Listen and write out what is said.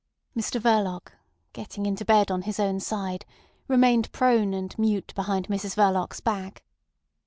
Mr Verloc, getting into bed on his own side, remained prone and mute behind Mrs Verloc's back.